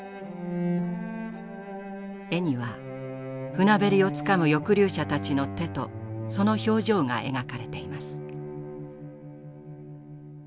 絵には船べりをつかむ抑留者たちの手とその表情が描かれています。